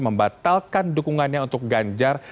membatalkan dukungannya untuk ganjar